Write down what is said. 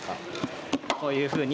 こういうふうに。